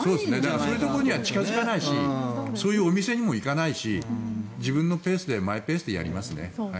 そういうところには近付かないしそういうお店にも行かないし自分のペースでマイペースでやりますね。